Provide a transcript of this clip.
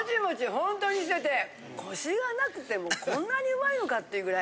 本当にしててコシがなくてもこんなにうまいのかって言うぐらい。